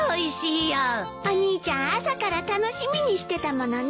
お兄ちゃん朝から楽しみにしてたものね。